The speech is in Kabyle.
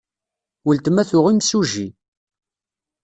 Weltma tuɣ imsujji.